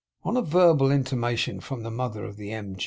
On a verbal intimation from the mother of the M.